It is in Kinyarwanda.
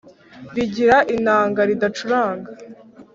Rigira inanga ridacuranga